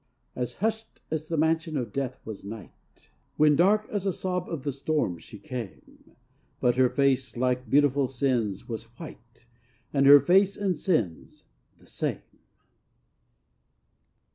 As hushed as the mansion of death was night, When, dark as a sob of the storm, she came But her face, like beautiful Sin's, was white, And her face and Sin's the same!